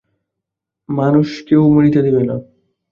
মানুষকে ও মরিতেও দিবে না?